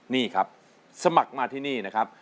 นี่ครับสมัครมาที่นี่นะครับ